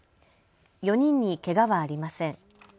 ４人にけがはありません。